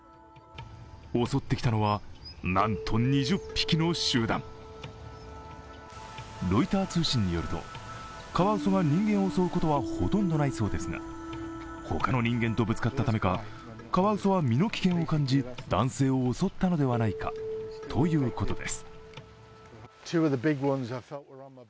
襲ってきたのは、なんと２０匹の集団ロイター通信によると、カワウソが人間を襲うことはほとんどないそうですが、他の人間とぶつかったためか、カワウソは身の危険を感じ男性を襲ったのではないかということです。